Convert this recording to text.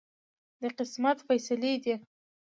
د قسمت فیصلې دي.